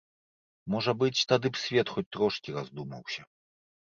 Можа быць, тады б свет хоць трошкі раздумаўся.